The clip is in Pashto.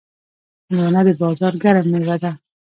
هندوانه د بازار ګرم میوه ده.